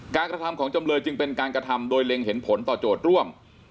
กระทำของจำเลยจึงเป็นการกระทำโดยเล็งเห็นผลต่อโจทย์ร่วม